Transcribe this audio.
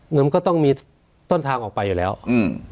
เงินก็ต้องมีต้นทางออกไปอยู่แล้วอืม